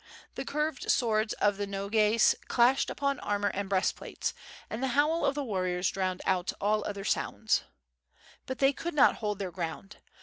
The curved swords of the Nogais clashed upon armor and breast plates, and the howl of the warriors drowned all other sounds. But they could not hold their ground.